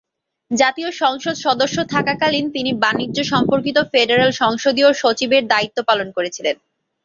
জাতীয় সংসদ সদস্য থাকাকালীন তিনি বাণিজ্য সম্পর্কিত ফেডারাল সংসদীয় সচিবের দায়িত্ব পালন করেছিলেন।